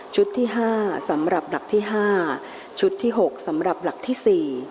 ชุดที่ห้าสำหรับหลักที่ห้าชุดที่หกสำหรับหลักที่สี่